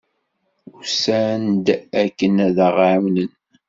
Usan-d akken ad aɣ-ɛawnen.